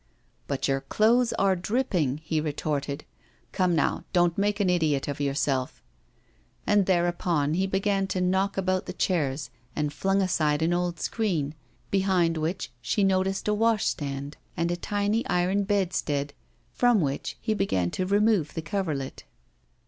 'But your clothes are dripping,' he retorted. 'Come now, don't make an idiot of yourself.' And thereupon he began to knock about the chairs, and flung aside an old screen, behind which she noticed a washstand and a tiny iron bedstead, from which he began to remove the coverlet.